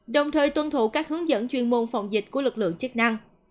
đồng thời tuân thủ các hướng dẫn chuyên môn phòng dịch của lực lượng chức năng